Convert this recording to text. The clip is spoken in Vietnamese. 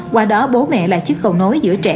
qua đó bố mẹ là chiếc cầu nối giữa trẻ